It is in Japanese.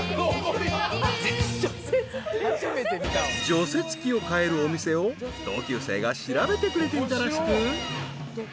［除雪機を買えるお店を同級生が調べてくれていたらしく］